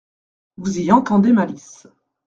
Vous y entendez malice.